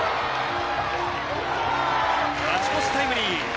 勝ち越しタイムリー！